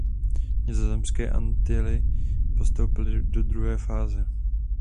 Nizozemské Antily postoupily do druhé fáze.